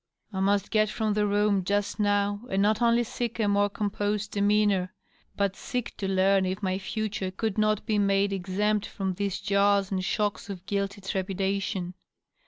I must get from the room, just now, and not only seek a more composed demeanor, but seek to learn if my future could not be made exempt from these jars and shocks of guilty trepidation.